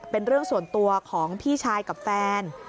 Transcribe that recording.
เป็นเรื่องส่วนตัวของพี่ชายกับแฟน